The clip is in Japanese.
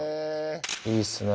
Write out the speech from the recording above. いいっすね